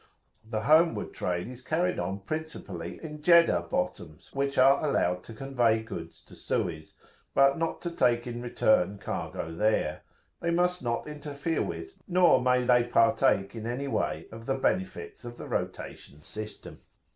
The homeward trade is carried on principally in Jeddah bottoms, which are allowed to convey goods to Suez, but not to take in return cargo there: they must not interfere with, nor may they partake in any way of the benefits of the rotation system.